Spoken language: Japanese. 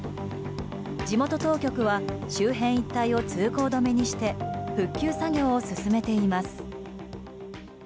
地元当局は周辺一帯を通行止めにして復旧作業を進めています。